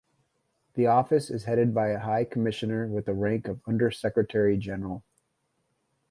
The Office is headed by a High Commissioner with the rank of Under-Secretary-General.